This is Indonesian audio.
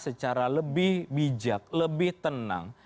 secara lebih bijak lebih tenang